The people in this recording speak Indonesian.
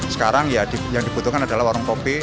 sekarang ya yang dibutuhkan adalah warung kopi